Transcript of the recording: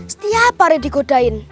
setiap hari digodain